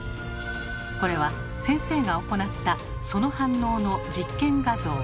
これは先生が行ったその反応の実験画像。